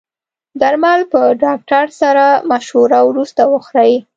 درمل په ډاکټر سره مشوره وروسته وخورئ.